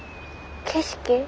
景色？